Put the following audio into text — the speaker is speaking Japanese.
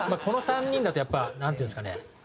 この３人だとやっぱなんていうんですかね